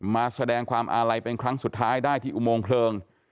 มาแสดงความอาลัยเป็นครั้งสุดท้ายได้ที่อุโมงเพลิง